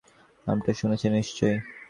নামটা শুনেছেন নিশ্চয়ই?